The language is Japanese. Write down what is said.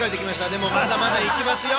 でも、まだまだいきますよ。